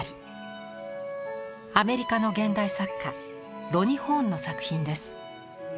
アメリカの現代作家ロニ・ホーンの作品です。